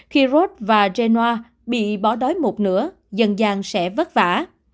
khi rốt và genoa bị bỏ đói một nửa dần dàng sẽ vất vả